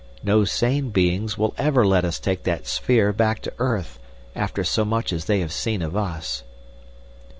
No sane beings will ever let us take that sphere back to earth after so much as they have seen of us."